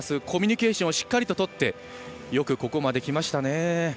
コミュニケーションをしっかりととってよくここまで来ましたね。